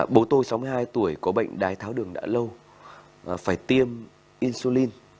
bố tôi sáu mươi hai tuổi có bệnh đái tháo đường đã lâu phải tiêm insulin